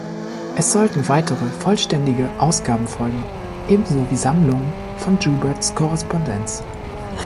Es sollten weitere vollständige Ausgaben folgen, ebenso wie Sammlungen von Jouberts Korrespondenz.